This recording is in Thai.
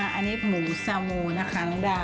อันนี้หมูซามูนะคะน้องดา